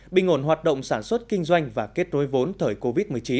bình ngồn hoạt động sản xuất kinh doanh và kết nối vốn thời covid một mươi chín